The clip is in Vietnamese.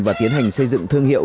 và tiến hành xây dựng thương hiệu